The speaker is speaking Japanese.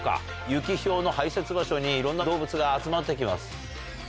ユキヒョウの排せつ場所にいろんな動物が集まってきます。